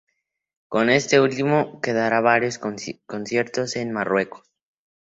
Con este último, que dará varios conciertos en Marruecos.